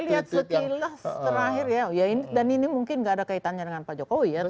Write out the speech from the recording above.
lihat sekilas terakhir ya dan ini mungkin nggak ada kaitannya dengan pak jokowi ya